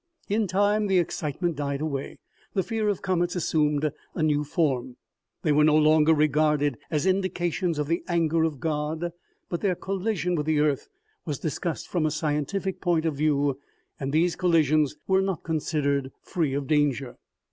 In time, the excitement died away. The fear of comets assumed a new form. They were no longer regarded as indications of the anger of God, but their collision with the earth was discussed from a scientific point of view, and these collisions were not considered free of danger.